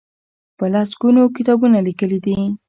په لس ګونو کتابونه لیکلي دي.